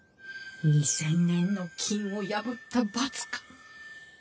２０００年の禁を破った罰か